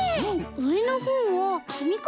うえのほうはかみコップかな？